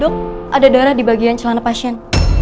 ada darah di bagian celana pasien